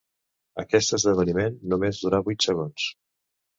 Aquest esdeveniment només dura vuit segons.